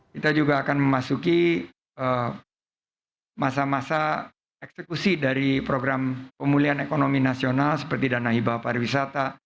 kita juga akan memasuki masa masa eksekusi dari program pemulihan ekonomi nasional seperti dana hibah pariwisata